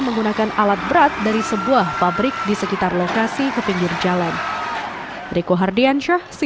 menggunakan alat berat dari sebuah pabrik di sekitar lokasi ke pinggir jalan